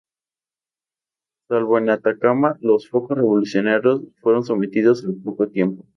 Salvo en Atacama, los focos revolucionarios fueron sometidos al poco tiempo.